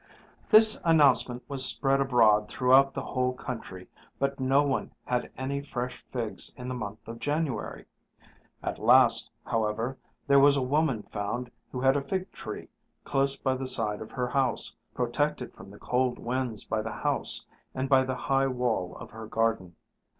This announcement was spread abroad throughout the whole country, but no one had any fresh figs in the month of January. At last, however, there was a woman found who had a fig tree close by the side of her house, protected from the cold winds by the house and by the high wall of her garden.